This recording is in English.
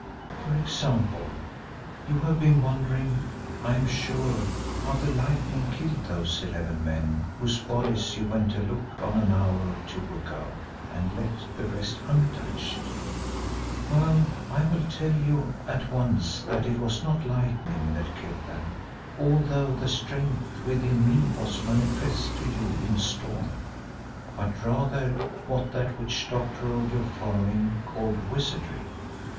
"For example, you have been wondering, I am sure, how the lightning killed those eleven men whose bodies you went to look on an hour or two ago, and left the rest untouched. Well, I will tell you at once that it was not lightning that killed them, although the strength within me was manifest to you in storm, but rather what that witch doctor of your following called wizardry.